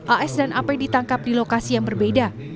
as dan ap ditangkap di lokasi yang berbeda